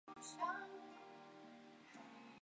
密尔湖县是美国明尼苏达州中部偏东的一个县。